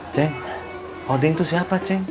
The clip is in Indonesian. ceng odeng itu siapa ceng